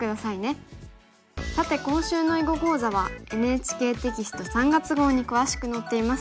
さて今週の囲碁講座はＮＨＫテキスト３月号に詳しく載っています。